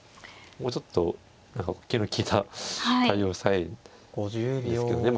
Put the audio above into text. もうちょっと何か気の利いた対応をしたいですけどね。